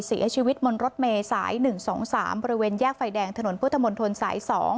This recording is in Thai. เสียชีวิตบนรถเมย์สาย๑๒๓บริเวณแยกไฟแดงถนนพุทธมนตรสาย๒